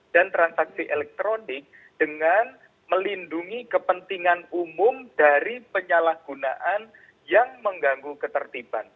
dan transaksi elektronik dengan melindungi kepentingan umum dari penyalahgunaan yang mengganggu ketertiban